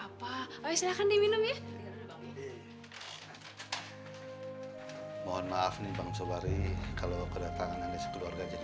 apa oh silahkan diminum ya mohon maaf nih bang sobari kalau kedatangan ada sekeluarga jadi